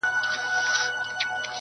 نسه نه وو نېمچه وو ستا د درد په درد~